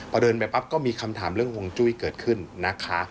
พอเดินไปปั๊บก็มีคำถามเรื่องห่วงจุ้ยเกิดขึ้นนะคะ